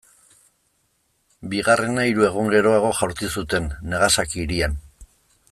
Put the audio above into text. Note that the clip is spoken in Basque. Bigarrena, hiru egun geroago jaurti zuten, Nagasaki hirian.